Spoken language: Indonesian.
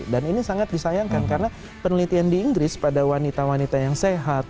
dan ini sangat disayangkan karena penelitian di inggris pada wanita wanita yang sehat